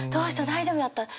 大丈夫やった？」。